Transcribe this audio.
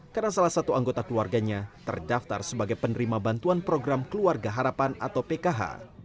karena salah satu anggota keluarganya terdaftar sebagai penerima bantuan program keluarga harapan atau pkh